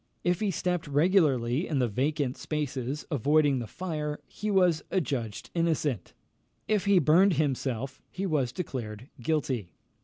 If he stepped regularly in the vacant spaces, avoiding the fire, he was adjudged innocent; if he burned himself, he was declared guilty.